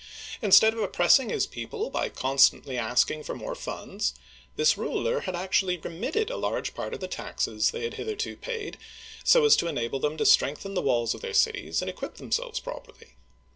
Instead of O. F. — II Digitized by VjOOQIC i68 OLD FRANCE oppressing his people by constantly asking for more funds, this ruler actually remitted a large part of the taxes they had hitherto paid, so as to enable them to strengthen the walls of their cities, and equip themselves properly.